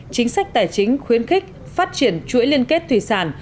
chính sách tài chính khuyến khích phát triển chuỗi liên kết thủy sản